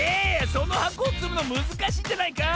そのはこをつむのむずかしいんじゃないか？